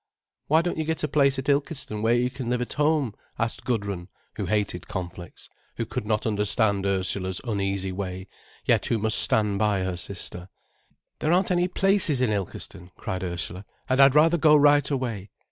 "Why don't you get a place at Ilkeston, where you can live at home?" asked Gudrun, who hated conflicts, who could not understand Ursula's uneasy way, yet who must stand by her sister. "There aren't any places in Ilkeston," cried Ursula. "And I'd rather go right away."